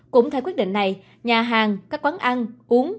cũng theo quyết định này nhà hàng các quán ăn uống